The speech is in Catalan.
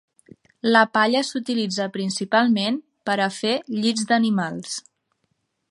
La palla s'utilitza principalment per a fer llits d'animals.